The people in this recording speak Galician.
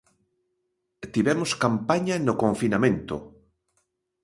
"Tivemos campaña no confinamento".